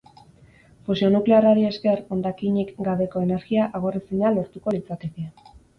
Fusio nuklearrari esker, hondakinik gabeko energia agorrezina lortuko litzateke.